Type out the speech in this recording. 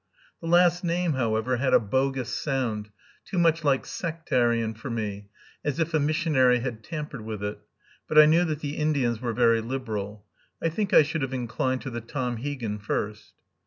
The last name, however, had a bogus sound, too much like sectarian for me, as if a missionary had tampered with it; but I knew that the Indians were very liberal. I think I should have inclined to the Tomhegan first.